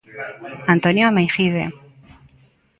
Antonio Ameijide.